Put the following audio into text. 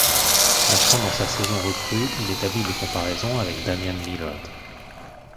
Entrant dans sa saison recrue, il établit des comparaisons avec Damian Lillard.